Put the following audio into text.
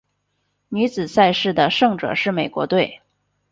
女子赛事的胜者是美国队。